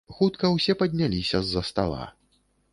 Хутка ўсе падняліся з-за стала.